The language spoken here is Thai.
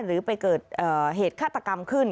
หรือไปเกิดเหตุฆาตกรรมขึ้น